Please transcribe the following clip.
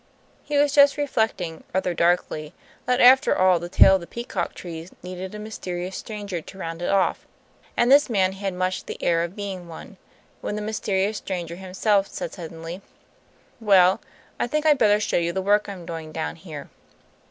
He was just reflecting, rather darkly, that after all the tale of the peacock trees needed a mysterious stranger to round it off, and this man had much the air of being one, when the mysterious stranger himself said suddenly: "Well, I think I'd better show you the work I'm doing down here."